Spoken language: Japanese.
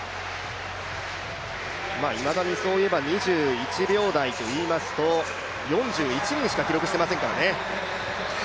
いまだにそういえば２１秒台といいますと４１人しか記録してませんからね。